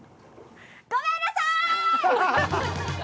ごめんなさい！